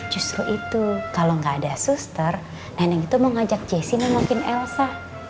justru itu kalau nggak ada suster neneng itu mau ngajak jessi nemokin elsa